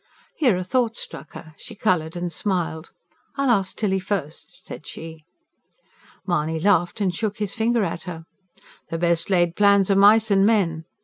Here a thought struck her; she coloured and smiled. "I'll ask Tilly first," said she. Mahony laughed and shook his finger at her. "The best laid plans o' mice and men!